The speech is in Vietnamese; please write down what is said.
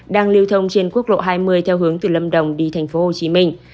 đang lưu thông trên quốc lộ hai mươi theo hướng từ lâm đồng đi thành phố hồ chí minh